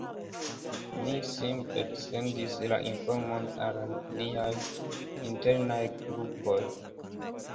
Ni simple sendis la informon al niaj "internaj" grupoj.